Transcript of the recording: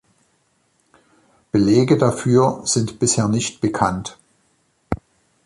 Belege dafür sind bisher nicht bekannt.